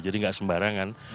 jadi enggak sembarangan